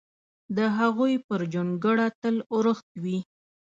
د هغوی پر جونګړه تل اورښت وي!